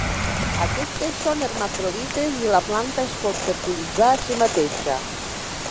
Aquestes són hermafrodites, i la planta es pot fertilitzar a si mateixa.